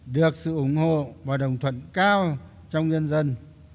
được sự ủng hộ và đồng thuận cao trong nhân dân